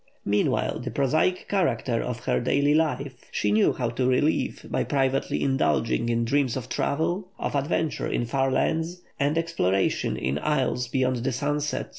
Meanwhile, the prosaic character of her daily life she knew how to relieve by privately indulging in dreams of travel, of adventure in far lands, and exploration in isles beyond the sunset.